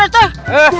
sudah sudah sudah